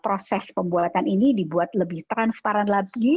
proses pembuatan ini dibuat lebih transparan lagi